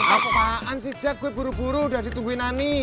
apaan sih jek gue buru buru udah ditungguin ani